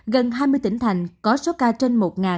gần hai mươi tỉnh thành có số ca trên một